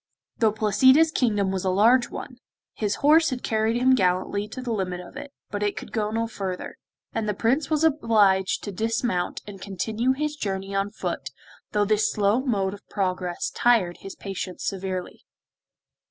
Though Placida's kingdom was a large one; his horse had carried him gallantly to the limit of it, but it could go no further, and the Prince was obliged to dismount and continue his journey on foot, though this slow mode of progress tired his patience severely.